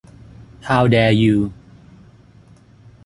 ฮาวแดร์ยู